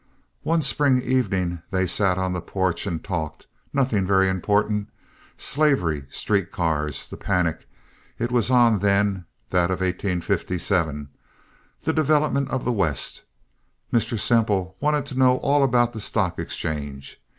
One spring evening they sat on the porch and talked—nothing very important—slavery, street cars, the panic—it was on then, that of 1857—the development of the West. Mr. Semple wanted to know all about the stock exchange.